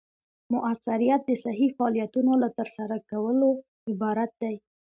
مؤثریت د صحیح فعالیتونو له ترسره کولو عبارت دی.